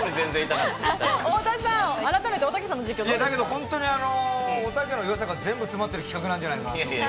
本当におたけのよさが全部詰まってる企画なんじゃないかなって。